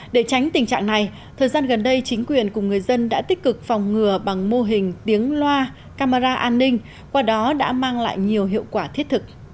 để tránh tình trạng này thời gian gần đây chính quyền cùng người dân đã tích cực phòng ngừa bằng mô hình tiếng loa camera an ninh qua đó đã mang lại nhiều hiệu quả thiết thực